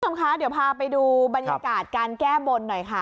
คุณผู้ชมคะเดี๋ยวพาไปดูบรรยากาศการแก้บนหน่อยค่ะ